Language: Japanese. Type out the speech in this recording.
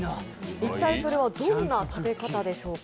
一体それはどんな食べ方でしょうか。